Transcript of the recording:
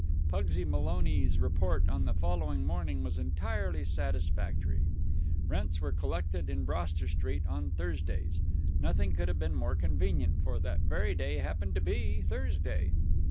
Pugsy Maloney's report on the following morning was entirely satisfactory. Rents were collected in Broster Street on Thursdays. Nothing could have been more convenient, for that very day happened to be Thursday.